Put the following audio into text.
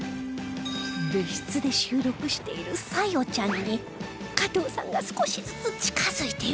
別室で収録している沙夜ちゃんに加藤さんが少しずつ近付いていきます